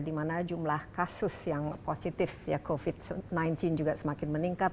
di mana jumlah kasus yang positif covid sembilan belas juga semakin meningkat